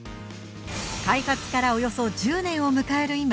開発からおよそ１０年を迎える今